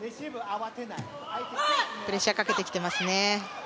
プレッシャーかけてきてますね。